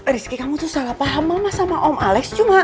rizky kamu tuh salah paham mama sama om alex cuma